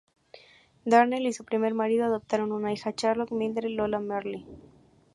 Darnell y su primer marido adoptaron una hija, Charlotte Mildred "Lola" Marley.